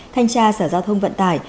thanh tra sở giao thông vận tải